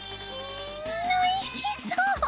うんおいしそう！